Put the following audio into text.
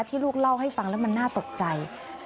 ลูกเล่าให้ฟังแล้วมันน่าตกใจ